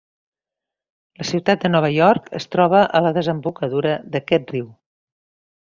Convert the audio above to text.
La ciutat de Nova York es troba a la desembocadura d'aquest riu.